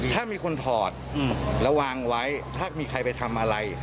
ถ้ามีคนถอดแล้ววางไว้ถ้ามีใครไปทำอะไร